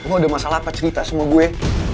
lo udah masalah apa cerita sama gue